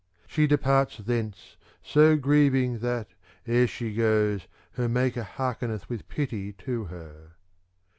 She departs thence^, so grieving that, e'er she goes, her maker hearkeneth with pity to her.